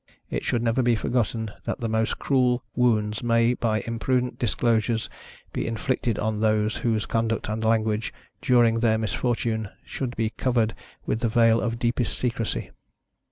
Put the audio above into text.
It should never be forgotten that the most cruel wounds may, by imprudent disclosures, be inflicted on those whose conduct and language, during their misfortune, should be covered with the veil of deepest secrecy.